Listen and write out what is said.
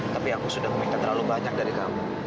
tapi aku sudah meminta terlalu banyak dari kamu